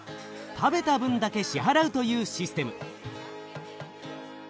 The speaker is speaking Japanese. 食べた分だけ支払うというシステム。